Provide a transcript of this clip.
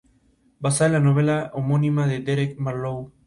El Colegio cardenalicio se dividió en varias facciones.